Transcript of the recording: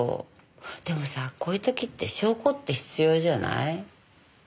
でもさこういう時って証拠って必要じゃない？